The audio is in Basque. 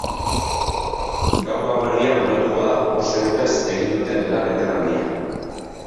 Gaur gauerdian amaituko da bost egunez egin duten lan-etenaldia.